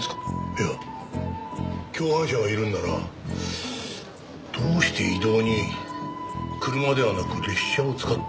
いや共犯者がいるんならどうして移動に車ではなく列車を使ったのかな？